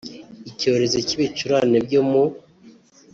Icyorezo cy’ibicurane byo mu